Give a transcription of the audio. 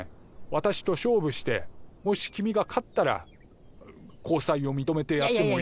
私と勝負してもし君が勝ったら交際を認めてやっても。